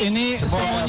ini sepuluh menit